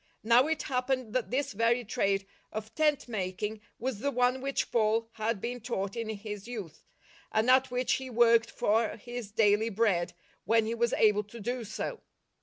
Now it hap I pened that this very trade of tent making was the one which Paul had been taught in his youth, and at which he worked for his daily bread when he was able to do so.